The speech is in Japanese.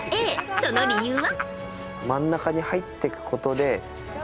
その理由は。